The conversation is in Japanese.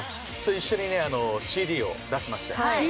一緒にねＣＤを出しまして。